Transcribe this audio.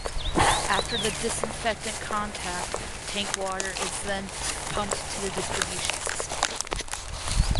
After the disinfectant contact tank water is then pumped to the distribution system.